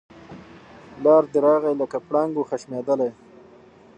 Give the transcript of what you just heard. پلار دی راغی لکه پړانګ وو خښمېدلی